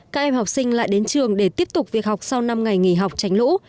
các em học sinh lại đến trường để tiếp tục việc học sau năm ngày nghỉ học tránh lũ